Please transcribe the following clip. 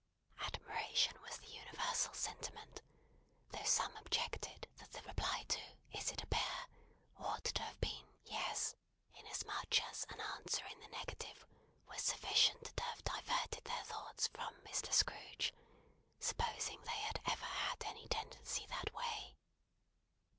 Admiration was the universal sentiment, though some objected that the reply to "Is it a bear?" ought to have been "Yes;" inasmuch as an answer in the negative was sufficient to have diverted their thoughts from Mr. Scrooge, supposing they had ever had any tendency that way.